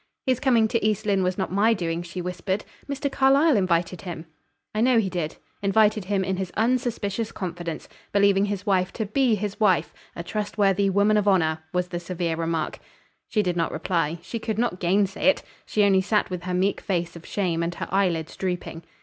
"His coming to East Lynne was not my doing," she whispered. "Mr. Carlyle invited him." "I know he did. Invited him in his unsuspicious confidence, believing his wife to be his wife, a trustworthy woman of honor," was the severe remark. She did not reply; she could not gainsay it; she only sat with her meek face of shame and her eyelids drooping.